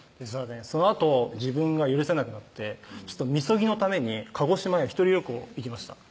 そのあと自分が許せなくなってみそぎのために鹿児島へ１人旅行行きました